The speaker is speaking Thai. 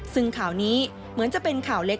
ซึ่งข่าวนี้เหมือนจะเป็นข่าวเล็ก